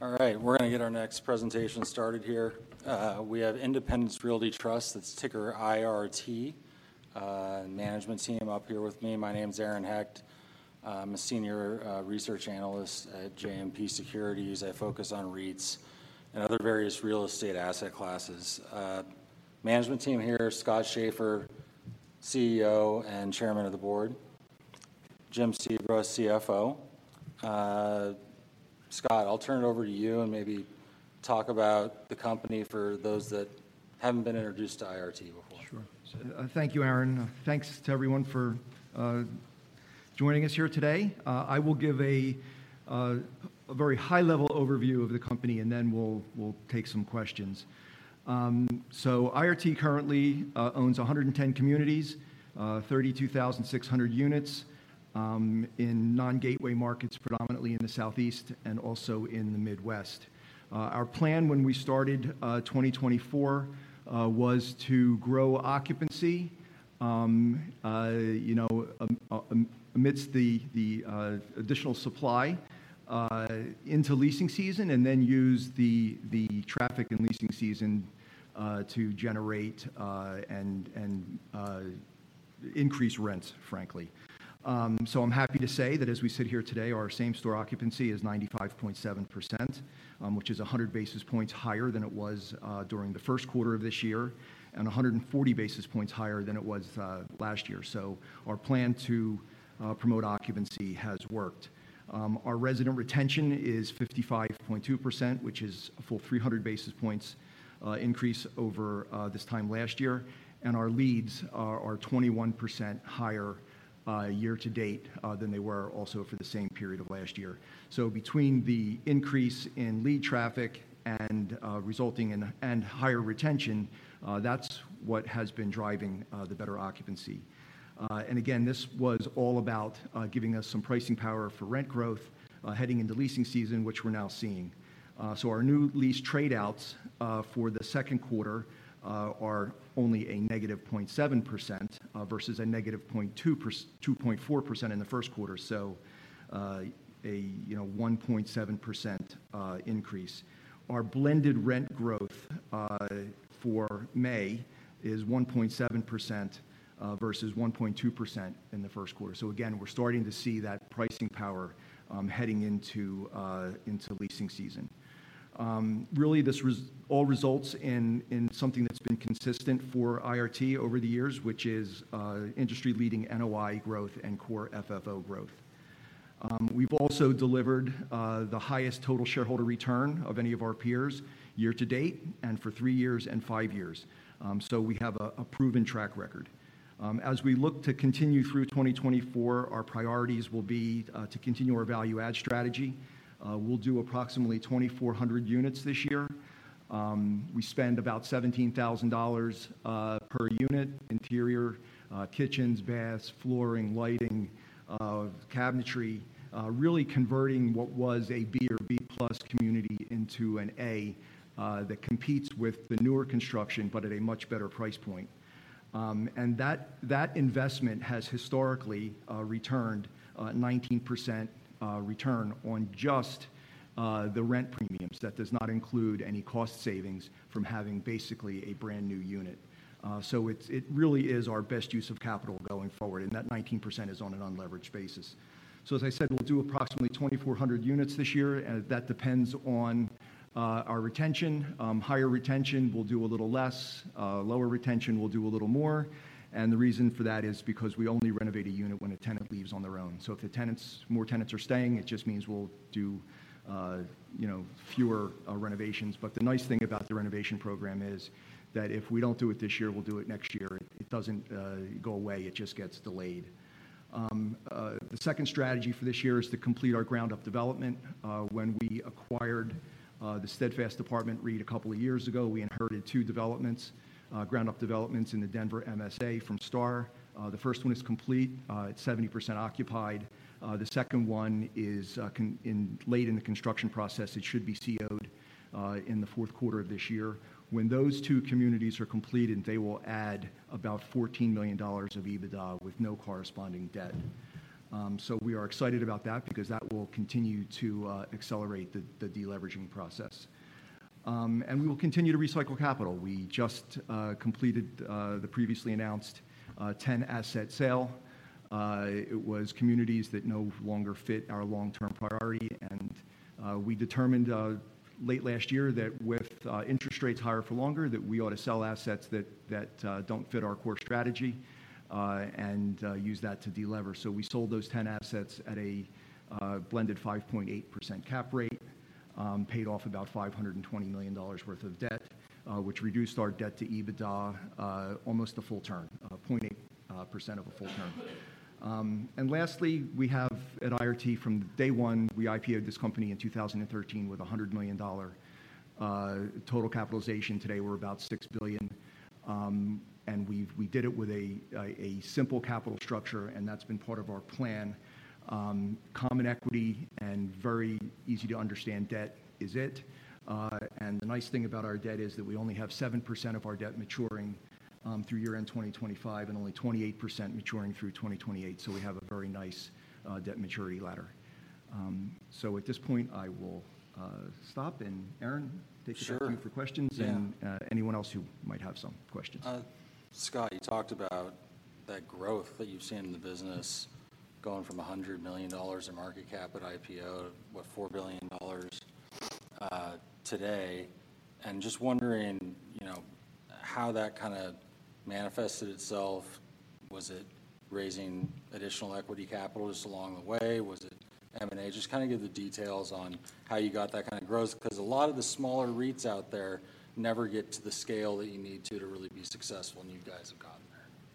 All right, we're going to get our next presentation started here. We have Independence Realty Trust, that's ticker IRT. Management team up here with me. My name is Aaron Hecht. I'm a senior research analyst at JMP Securities. I focus on REITs and other various real estate asset classes. Management team here, Scott Schaeffer, CEO and Chairman of the Board, Jim Sebra, CFO. Scott, I'll turn it over to you and maybe talk about the company for those that haven't been introduced to IRT before. Sure. Thank you, Aaron. Thanks to everyone for joining us here today. I will give a very high-level overview of the company, and then we'll take some questions. So IRT currently owns 110 communities, 32,600 units, in non-gateway markets, predominantly in the Southeast and also in the Midwest. Our plan when we started 2024 was to grow occupancy, you know, amidst the additional supply into leasing season and then use the traffic and leasing season to generate and increase rents, frankly. So I'm happy to say that as we sit here today, our same-store occupancy is 95.7%, which is 100 basis points higher than it was during the first quarter of this year, and 140 basis points higher than it was last year. So our plan to promote occupancy has worked. Our resident retention is 55.2%, which is a full 300 basis points increase over this time last year, and our leads are 21 higher year to date than they were also for the same period of last year. So between the increase in lead traffic and resulting in and higher retention, that's what has been driving the better occupancy. And again, this was all about giving us some pricing power for rent growth heading into leasing season, which we're now seeing. So our new lease trade outs for the second quarter are only a -0.7%, versus a -2.4% in the first quarter, so, you know, a 1.7% increase. Our blended rent growth for May is 1.7%, versus 1.2% in the first quarter. So again, we're starting to see that pricing power heading into leasing season. Really, this all results in something that's been consistent for IRT over the years, which is industry-leading NOI growth and core FFO growth. We've also delivered the highest total shareholder return of any of our peers year to date and for three years and five years. So we have a proven track record. As we look to continue through 2024, our priorities will be to continue our value add strategy. We'll do approximately 2,400 units this year. We spend about $17,000 per unit, interior kitchens, baths, flooring, lighting, cabinetry, really converting what was a B or B plus community into an A that competes with the newer construction, but at a much better price point. And that investment has historically returned 19% return on just the rent premiums. That does not include any cost savings from having basically a brand-new unit. So it really is our best use of capital going forward, and that 19% is on an unleveraged basis. So as I said, we'll do approximately 2,400 units this year, and that depends on our retention. Higher retention, we'll do a little less. Lower retention, we'll do a little more. The reason for that is because we only renovate a unit when a tenant leaves on their own. So if the tenants, more tenants are staying, it just means we'll do you know, fewer renovations. But the nice thing about the renovation program is that if we don't do it this year, we'll do it next year. It doesn't go away, it just gets delayed. The second strategy for this year is to complete our ground-up development. When we acquired the Steadfast Apartment REIT a couple of years ago, we inherited two developments, ground-up developments in the Denver MSA from STAR. The first one is complete, it's 70% occupied. The second one is in late in the construction process. It should be CO'd in the fourth quarter of this year. When those two communities are completed, they will add about $14 million of EBITDA with no corresponding debt. So we are excited about that because that will continue to accelerate the deleveraging process. And we will continue to recycle capital. We just completed the previously announced 10-asset sale. It was communities that no longer fit our long-term priority, and we determined late last year that with interest rates higher for longer, that we ought to sell assets that don't fit our core strategy, and use that to delever. So we sold those 10 assets at a blended 5.8% cap rate, paid off about $520 million worth of debt, which reduced our debt to EBITDA almost a full turn, 0.8% of a full turn. And lastly, we have at IRT from day one, we IPO'd this company in 2013 with a $100 million total capitalization. Today, we're about $6 billion. And we did it with a simple capital structure, and that's been part of our plan. Common equity and very easy to understand debt is it. And the nice thing about our debt is that we only have 7% of our debt maturing through year-end 2025, and only 28% maturing through 2028. So we have a very nice debt maturity ladder. So at this point, I will stop, and Aaron, take it away- Sure -for questions- Yeah. -and, anyone else who might have some questions. Scott, you talked about that growth that you've seen in the business going from $100 million in market cap at IPO to, what, $4 billion today, and just wondering, you know, how that kind of manifested itself? Was it raising additional equity capital just along the way? Was it M&A? Just kind of give the details on how you got that kind of growth, 'cause a lot of the smaller REITs out there never get to the scale that you need to to really be successful, and you guys have gotten there.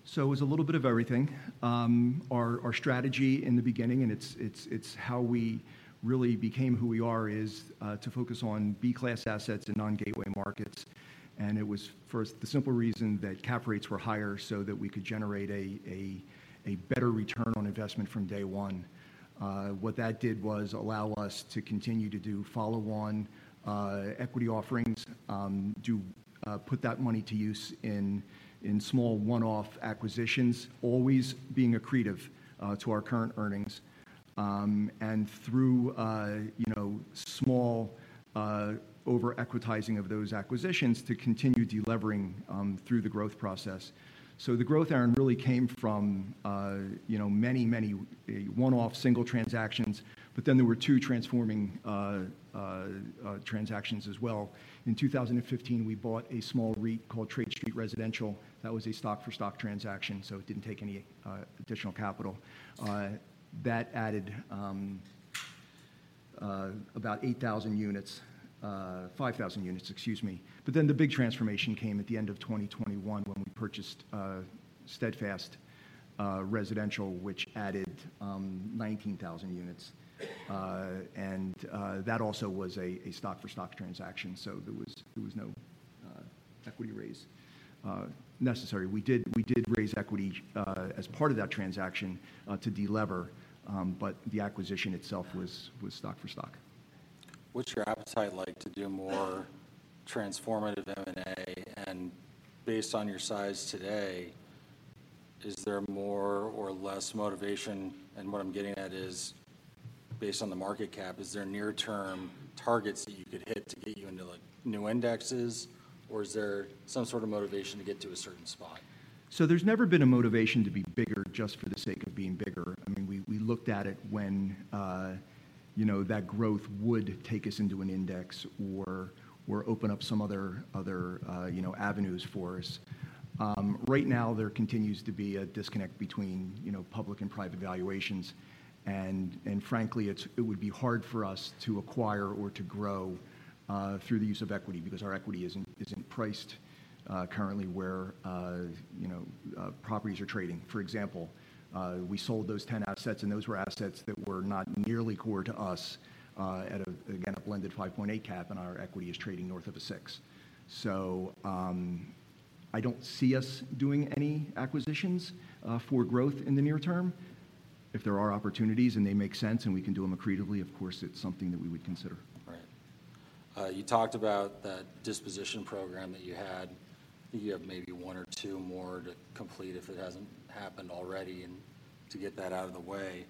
So it was a little bit of everything. Our strategy in the beginning, and it's how we really became who we are, is to focus on B-class assets in non-gateway markets. And it was for the simple reason that cap rates were higher, so that we could generate a better return on investment from day one. What that did was allow us to continue to do follow-on equity offerings, do put that money to use in small one-off acquisitions, always being accretive to our current earnings. And through you know, small over-equitizing of those acquisitions to continue delevering through the growth process. So the growth, Aaron, really came from you know, many, many one-off single transactions, but then there were two transforming transactions as well. In 2015, we bought a small REIT called Trade Street Residential. That was a stock-for-stock transaction, so it didn't take any additional capital. That added about 8,000 units, 5,000 units, excuse me. But then the big transformation came at the end of 2021 when we purchased Steadfast Residential, which added 19,000 units. And that also was a stock-for-stock transaction, so there was no equity raise necessary. We did raise equity as part of that transaction to delever, but the acquisition itself was stock for stock. What's your appetite like to do more transformative M&A? And based on your size today, is there more or less motivation? And what I'm getting at is, based on the market cap, is there near-term targets that you could hit to get you into, like, new indexes, or is there some sort of motivation to get to a certain spot? So there's never been a motivation to be bigger just for the sake of being bigger. I mean, we, we looked at it when, you know, that growth would take us into an index or, or open up some other, other, you know, avenues for us. Right now, there continues to be a disconnect between, you know, public and private valuations, and, and frankly, it's it would be hard for us to acquire or to grow, through the use of equity because our equity isn't, isn't priced, currently where, you know, properties are trading. For example, we sold those 10 assets, and those were assets that were not nearly core to us, at a, again, a blended 5.8 cap, and our equity is trading north of a six. I don't see us doing any acquisitions for growth in the near term. If there are opportunities, and they make sense, and we can do them accretively, of course, it's something that we would consider. Right. You talked about that disposition program that you had. I think you have maybe one or two more to complete if it hasn't happened already, and to get that out of the way.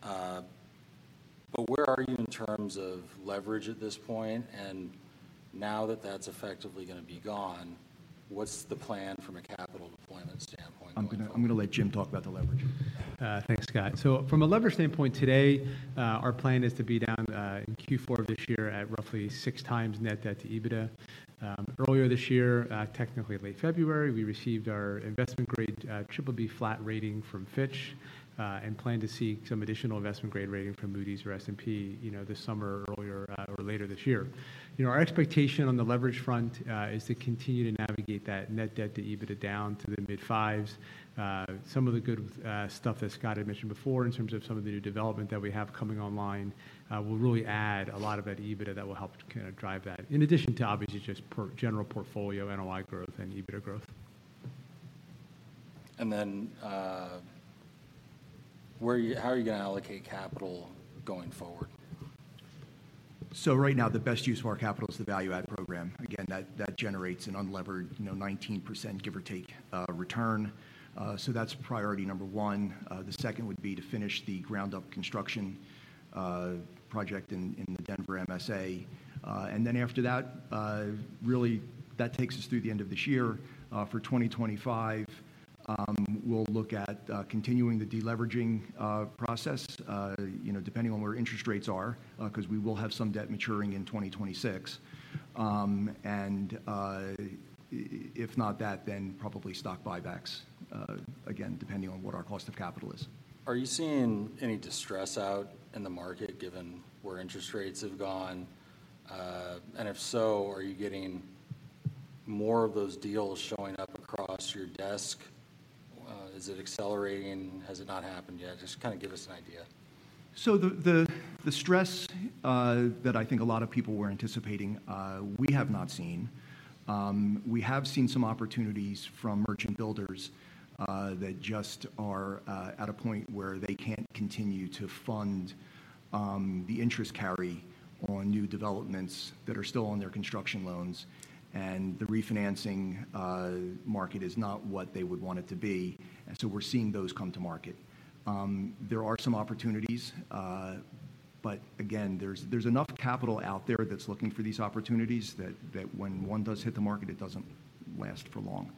But where are you in terms of leverage at this point? And now that that's effectively gonna be gone, what's the plan from a capital deployment standpoint going forward? I'm gonna let Jim talk about the leverage. Thanks, Scott. So from a leverage standpoint today, our plan is to be down in Q4 of this year at roughly 6x net debt to EBITDA. Earlier this year, technically late February, we received our investment-grade BBB flat rating from Fitch and plan to seek some additional investment-grade rating from Moody's or S&P, you know, this summer, earlier or later this year. You know, our expectation on the leverage front is to continue to navigate that net debt to EBITDA down to the mid-fives. Some of the good stuff that Scott had mentioned before in terms of some of the new development that we have coming online will really add a lot of that EBITDA that will help to kind of drive that, in addition to obviously just portfolio NOI growth and EBITDA growth. Then, where are you, how are you gonna allocate capital going forward? So right now, the best use of our capital is the value add program. Again, that, that generates an unlevered, you know, 19%, give or take, return. So that's priority number 1. The second would be to finish the ground-up construction project in the Denver MSA. And then after that, really, that takes us through the end of this year. For 2025, we'll look at continuing the deleveraging process, you know, depending on where interest rates are, 'cause we will have some debt maturing in 2026. And, if not that, then probably stock buybacks, again, depending on what our cost of capital is. Are you seeing any distress out in the market, given where interest rates have gone? And if so, are you getting more of those deals showing up across your desk? Is it accelerating? Has it not happened yet? Just kind of give us an idea. So the stress that I think a lot of people were anticipating, we have not seen. We have seen some opportunities from merchant builders that just are at a point where they can't continue to fund the interest carry on new developments that are still on their construction loans, and the refinancing market is not what they would want it to be. And so we're seeing those come to market. There are some opportunities, but again, there's enough capital out there that's looking for these opportunities that when one does hit the market, it doesn't last for long.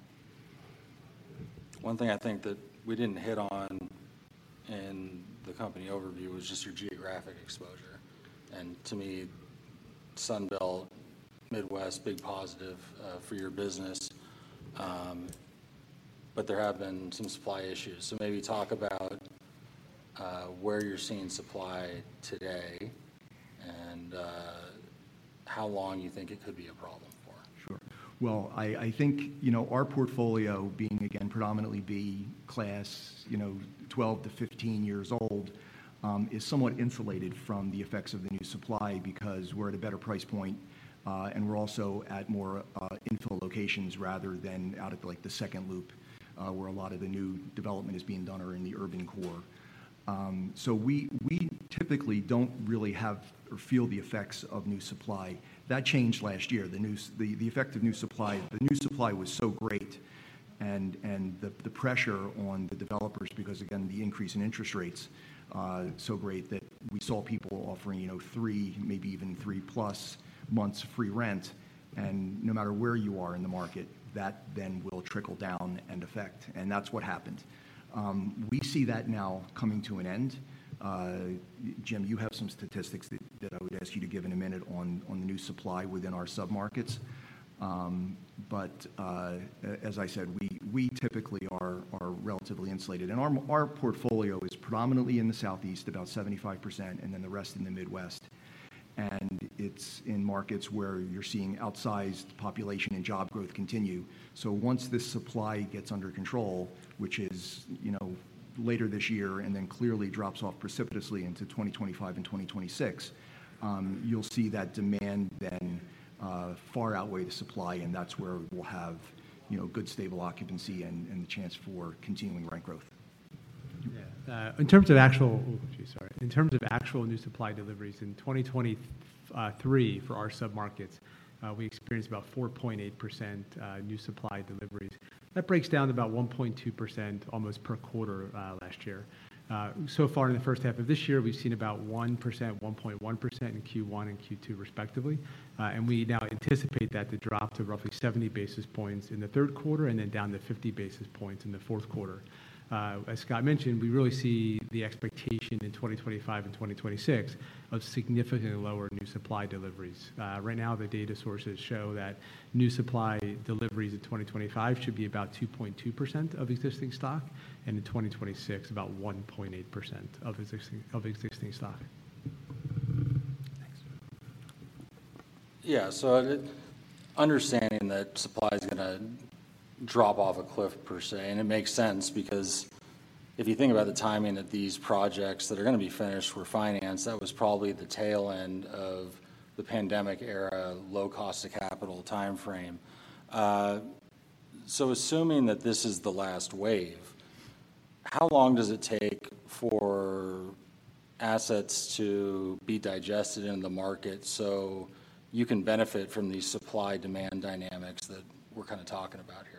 One thing I think that we didn't hit on in the company overview was just your geographic exposure. To me, Sunbelt, Midwest, big positive, for your business. But there have been some supply issues. So maybe talk about, where you're seeing supply today and, how long you think it could be a problem for? Sure. Well, I think, you know, our portfolio being, again, predominantly B class, you know, 12-15 years old, is somewhat insulated from the effects of the new supply because we're at a better price point, and we're also at more infill locations rather than out at, like, the second loop, where a lot of the new development is being done are in the urban core. So we typically don't really have or feel the effects of new supply. That changed last year. The effect of new supply, the new supply was so great and the pressure on the developers, because again, the increase in interest rates, so great, that we saw people offering, you know, three, maybe even three plus months free rent. No matter where you are in the market, that then will trickle down and affect, and that's what happened. We see that now coming to an end. Jim, you have some statistics that I would ask you to give in a minute on the new supply within our submarkets. But as I said, we typically are relatively insulated, and our portfolio is predominantly in the Southeast, about 75%, and then the rest in the Midwest. And it's in markets where you're seeing outsized population and job growth continue. So once this supply gets under control, which is, you know, later this year, and then clearly drops off precipitously into 2025 and 2026, you'll see that demand then far outweigh the supply, and that's where we'll have, you know, good, stable occupancy and, and the chance for continuing rent growth. Yeah, in terms of actual new supply deliveries in 2023 for our submarkets, we experienced about 4.8% new supply deliveries. That breaks down to about 1.2%, almost per quarter last year. So far in the first half of this year, we've seen about 1%, 1.1% in Q1 and Q2, respectively. And we now anticipate that to drop to roughly 70 basis points in the third quarter, and then down to 50 basis points in the fourth quarter. As Scott mentioned, we really see the expectation in 2025 and 2026 of significantly lower new supply deliveries. Right now, the data sources show that new supply deliveries in 2025 should be about 2.2% of existing stock, and in 2026, about 1.8% of existing stock. Thanks. Yeah, so, understanding that supply is gonna drop off a cliff, per se, and it makes sense, because if you think about the timing that these projects that are going to be finished were financed, that was probably the tail end of the pandemic era, low cost of capital timeframe. So assuming that this is the last wave, how long does it take for assets to be digested in the market so you can benefit from the supply-demand dynamics that we're kind of talking about here?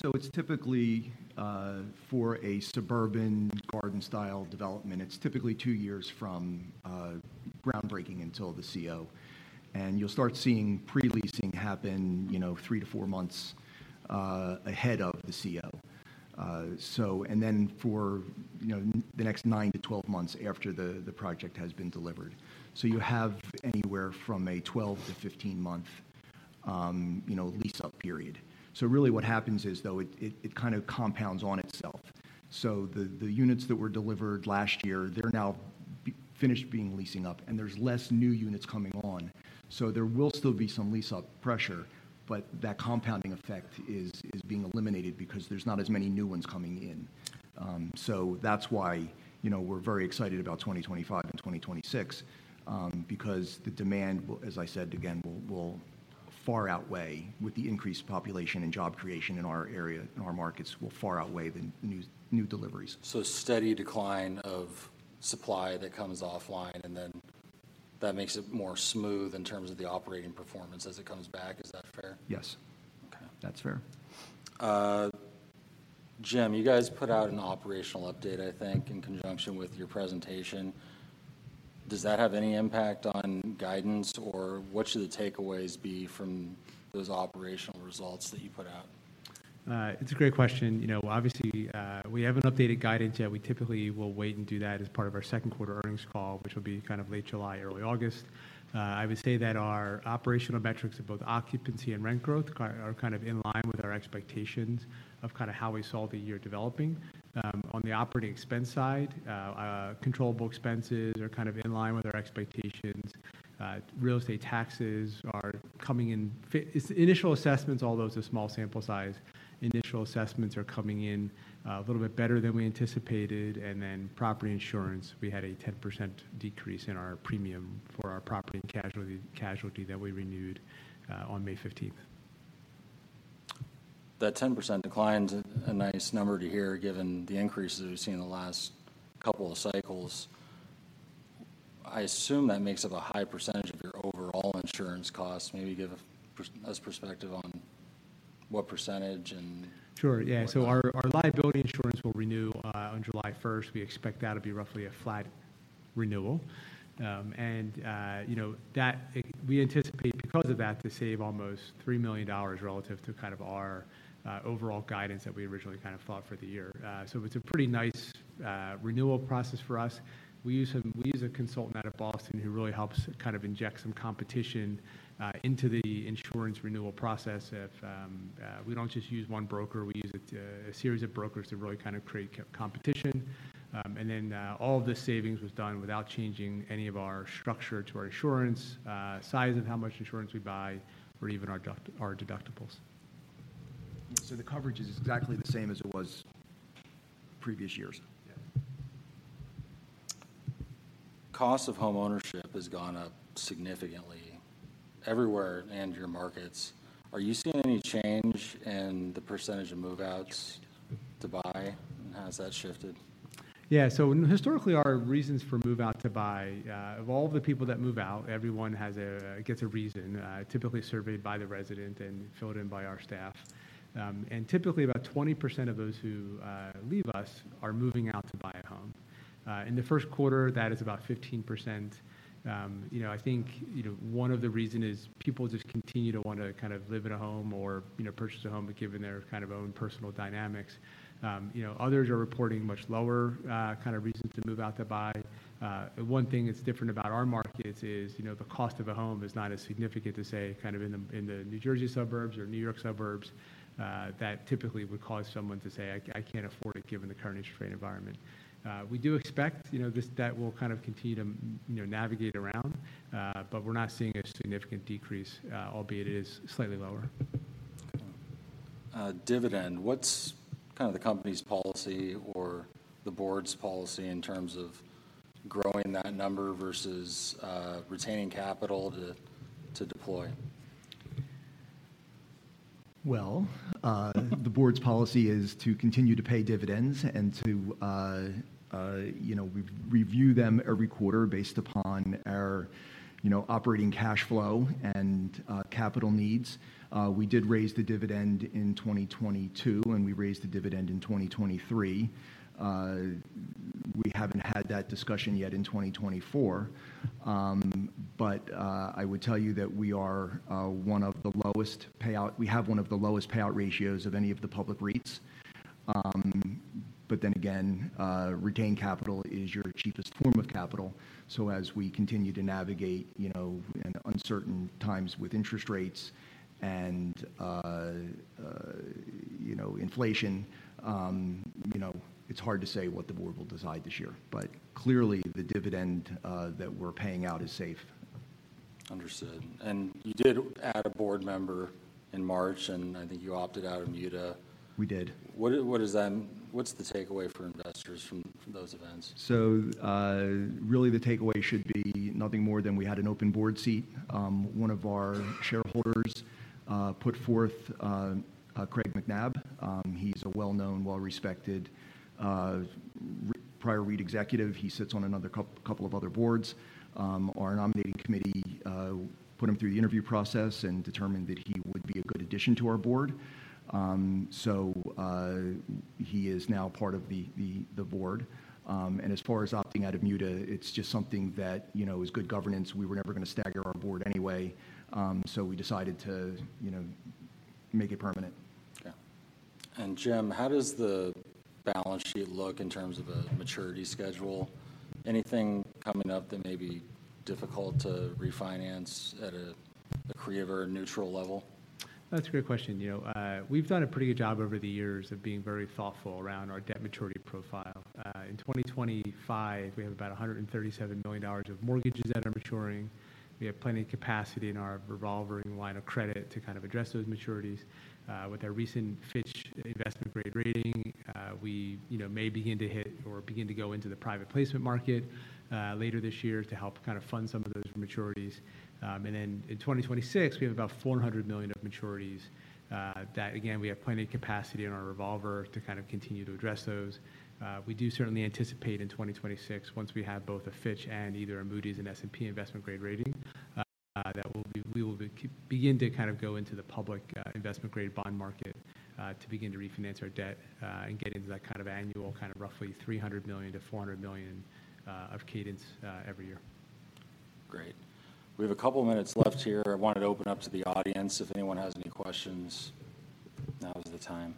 So it's typically, for a suburban garden-style development, it's typically two years from, groundbreaking until the CO. And you'll start seeing pre-leasing happen, you know, three-four months, ahead of the CO. So and then for, you know, the next nine-12 months after the, the project has been delivered. So you have anywhere from a 12-15-month, you know, lease-up period. So really, what happens is, though, it kind of compounds on itself. So the, the units that were delivered last year, they're now finished being leasing up, and there's less new units coming on. So there will still be some lease-up pressure, but that compounding effect is being eliminated because there's not as many new ones coming in. So that's why, you know, we're very excited about 2025 and 2026, because the demand, as I said again, will far outweigh with the increased population and job creation in our area, in our markets, will far outweigh the new deliveries. A steady decline of supply that comes offline, and then that makes it more smooth in terms of the operating performance as it comes back. Is that fair? Yes. Okay. That's fair. Jim, you guys put out an operational update, I think, in conjunction with your presentation. Does that have any impact on guidance, or what should the takeaways be from those operational results that you put out? It's a great question. You know, obviously, we haven't updated guidance yet. We typically will wait and do that as part of our second quarter earnings call, which will be kind of late July, early August. I would say that our operational metrics of both occupancy and rent growth are kind of in line with our expectations of kind of how we saw the year developing. On the operating expense side, controllable expenses are kind of in line with our expectations. Real estate taxes are coming in from initial assessments, although it's a small sample size, initial assessments are coming in, a little bit better than we anticipated. And then property insurance, we had a 10% decrease in our premium for our property and casualty that we renewed on 15 May. That 10% decline is a nice number to hear, given the increases we've seen in the last couple of cycles. I assume that makes up a high percentage of your overall insurance costs. Maybe give us perspective on what percentage and- Sure, yeah. So our liability insurance will renew on July first. We expect that to be roughly a flat renewal. And, you know, we anticipate because of that, to save almost $3 million relative to kind of our overall guidance that we originally kind of thought for the year. So it's a pretty nice renewal process for us. We use a consultant out of Boston who really helps kind of inject some competition into the insurance renewal process. We don't just use one broker, we use a series of brokers to really kind of create competition. And then, all of the savings was done without changing any of our structure to our insurance, size of how much insurance we buy, or even our deductibles. The coverage is exactly the same as it was previous years. Yeah. Cost of homeownership has gone up significantly everywhere in your markets. Are you seeing any change in the percentage of move-outs to buy, and how has that shifted? Yeah, so historically, our reasons for move-out to buy, of all the people that move out, everyone gets a reason, typically surveyed by the resident and filled in by our staff. And typically, about 20% of those who leave us are moving out to buy a home. In the first quarter, that is about 15%. You know, I think, you know, one of the reason is people just continue to want to kind of live in a home or, you know, purchase a home, but given their kind of own personal dynamics. You know, others are reporting much lower, kind of reasons to move out to buy. One thing that's different about our markets is, you know, the cost of a home is not as significant to say, kind of in the New Jersey suburbs or New York suburbs. That typically would cause someone to say, "I can't afford it, given the current interest rate environment." We do expect, you know, that will kind of continue to, you know, navigate around, but we're not seeing a significant decrease, albeit it is slightly lower. Dividend. What's kind of the company's policy or the board's policy in terms of growing that number versus, retaining capital to deploy? Well, the board's policy is to continue to pay dividends and to, you know, re-review them every quarter based upon our, you know, operating cash flow and, capital needs. We did raise the dividend in 2022, and we raised the dividend in 2023. We haven't had that discussion yet in 2024. I would tell you that we are, one of the lowest payout-- We have one of the lowest payout ratios of any of the public REITs. But then again, retained capital is your cheapest form of capital. So as we continue to navigate, you know, in uncertain times with interest rates and, you know, inflation, you know, it's hard to say what the board will decide this year, but clearly, the dividend, that we're paying out is safe. Understood. You did add a board member in March, and I think you opted out of MUTA. We did. What's the takeaway for investors from those events? So, really, the takeaway should be nothing more than we had an open board seat. One of our shareholders put forth Craig Macnab. He's a well-known, well-respected prior REIT executive. He sits on another couple of other boards. Our nominating committee put him through the interview process and determined that he would be a good addition to our board. So, he is now part of the board. And as far as opting out of MUTA, it's just something that, you know, is good governance. We were never going to stagger our board anyway, so we decided to, you know, make it permanent. Yeah. Jim, how does the balance sheet look in terms of a maturity schedule? Anything coming up that may be difficult to refinance at a, a pre or a neutral level? That's a great question. You know, we've done a pretty good job over the years of being very thoughtful around our debt maturity profile. In 2025, we have about $137 million of mortgages that are maturing. We have plenty of capacity in our revolving line of credit to kind of address those maturities. With our recent Fitch investment-grade rating, we, you know, may begin to hit or begin to go into the private placement market later this year to help kind of fund some of those maturities. And then in 2026, we have about $400 million of maturities that again, we have plenty of capacity in our revolver to kind of continue to address those. We do certainly anticipate in 2026, once we have both a Fitch and either a Moody's and S&P investment-grade rating, that we'll begin to kind of go into the public investment-grade bond market to begin to refinance our debt and get into that kind of annual, kind of roughly $300 million-$400 million of cadence every year. Great. We have a couple of minutes left here. I wanted to open up to the audience. If anyone has any questions, now is the time.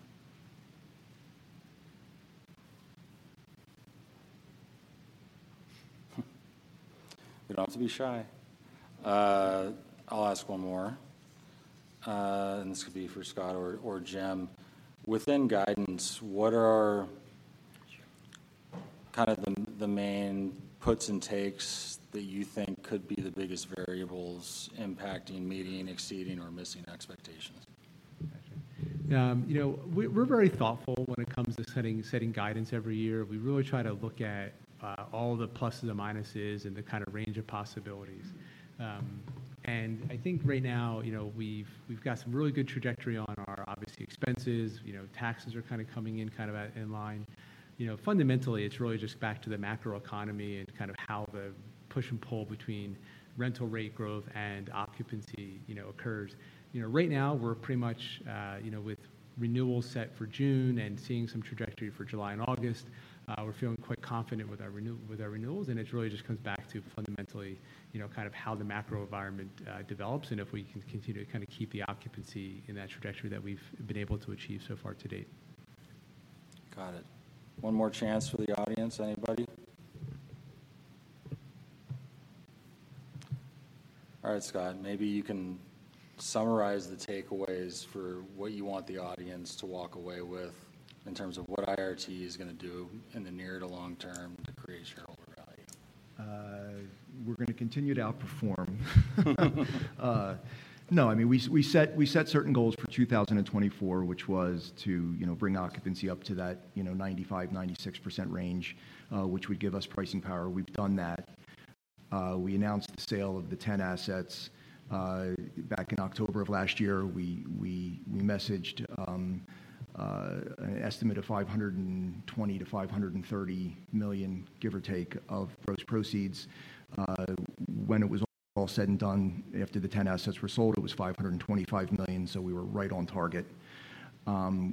You don't have to be shy. I'll ask one more, and this could be for Scott or Jim. Within guidance, what are kind of the main puts and takes that you think could be the biggest variables impacting meeting, exceeding, or missing expectations? You know, we, we're very thoughtful when it comes to setting guidance every year. We really try to look at all the pluses and minuses and the kind of range of possibilities. And I think right now, you know, we've got some really good trajectory on our, obviously, expenses. You know, taxes are kind of coming in kind of in line. You know, fundamentally, it's really just back to the macroeconomy and kind of how the push and pull between rental rate growth and occupancy, you know, occurs. You know, right now, we're pretty much, you know, with renewals set for June and seeing some trajectory for July and August, we're feeling quite confident with our renewals, and it really just comes back to fundamentally, you know, kind of how the macro environment develops and if we can continue to kind of keep the occupancy in that trajectory that we've been able to achieve so far to date. Got it. One more chance for the audience. Anybody? All right, Scott, maybe you can summarize the takeaways for what you want the audience to walk away with in terms of what IRT is going to do in the near to long term to create shareholder value. We're going to continue to outperform. No, I mean, we set certain goals for 2024, which was to, you know, bring occupancy up to that, you know, 95%-96% range, which would give us pricing power. We've done that. We announced the sale of the 10 assets back in October of last year. We messaged an estimate of $520 million-$530 million, give or take, of gross proceeds. When it was all said and done, after the 10 assets were sold, it was $525 million, so we were right on target.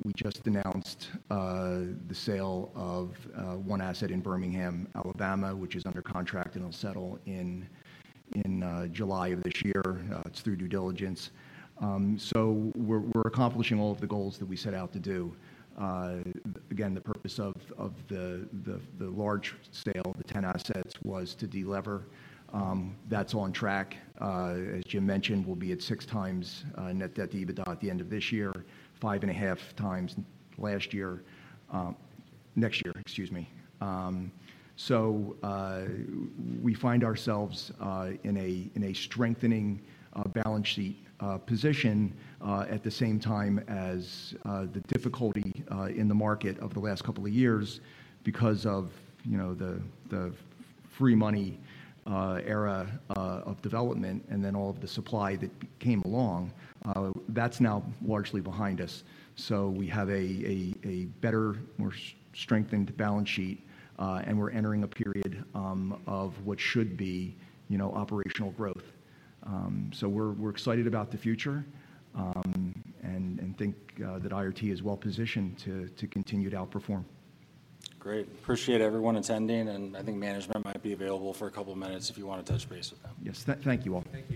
We just announced the sale of one asset in Birmingham, Alabama, which is under contract, and it'll settle in July of this year. It's through due diligence. So we're accomplishing all of the goals that we set out to do. Again, the purpose of the large sale, the 10 assets, was to delever. That's on track. As Jim mentioned, we'll be at 6x net debt to EBITDA at the end of this year, 5.5x last year, next year, excuse me. So we find ourselves in a strengthening balance sheet position at the same time as the difficulty in the market over the last couple of years because of, you know, the free money era of development, and then all of the supply that came along. That's now largely behind us, so we have a better, more strengthened balance sheet, and we're entering a period of what should be, you know, operational growth. So we're excited about the future, and think that IRT is well positioned to continue to outperform. Great. Appreciate everyone attending, and I think management might be available for a couple of minutes if you want to touch base with them. Yes. Thank you, all. Thank you.